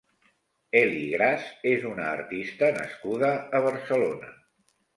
Eli Gras és una artista nascuda a Barcelona.